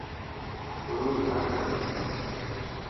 گرور نا ڪرڻ کپي.